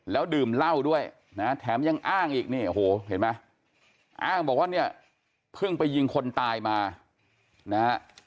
แล้วดื่มเหล้าด้วยนะแถมยังอ้างอีกเนี่ยโอ้โหเห็นไหมอ้างบอกว่าเนี่ยเพิ่งไปยิงคนตายมานะฮะ